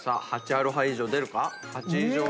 アロハ以上出るか？